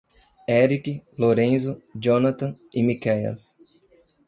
Erick, Lorenzo, Jonathan e Miquéias